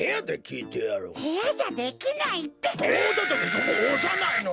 そこおさないの！